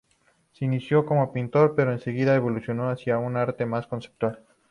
Se inició como pintor, pero enseguida evolucionó hacia un arte más conceptual.